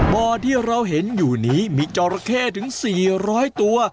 บ่อที่เราเห็นอยู่นี้มีจอราเข้ถึง๔๐๐ตัว